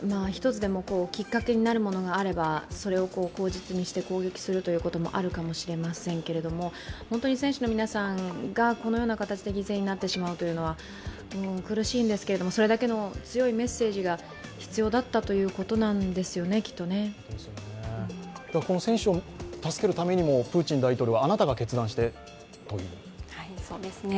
一つでもきっかけになるものがあれば、それを口実にして攻撃するということもあるかもしれませんけれども選手の皆さんがこのような形で犠牲になってしまうというところは苦しいんですけど、それだけの強いメッセージが必要だったということなんですよね、きっとね選手を助けるためにも、プーチン大統領、あなたが決断してという。